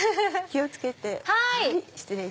気を付けて。